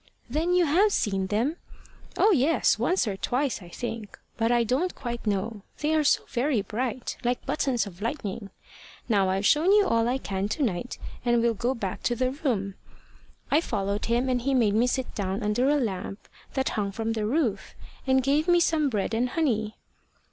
`Then you have seen them?' `Oh, yes! Once or twice, I think. But I don't quite know: they are so very bright like buttons of lightning. Now I've showed you all I can to night, and we'll go back to the room.' I followed him, and he made me sit down under a lamp that hung from the roof, and gave me some bread and honey.